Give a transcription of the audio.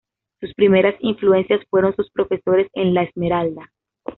Sus primeras influencias fueron sus profesores en La Esmeralda.